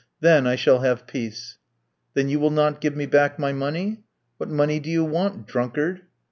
Then I shall have peace." "Then you will not give me back my money?" "What money do you want, drunkard?"